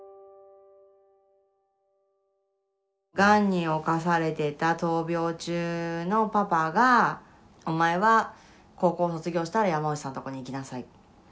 がんに侵されてた闘病中のパパが「お前は高校卒業したら山内さんのとこに行きなさい」。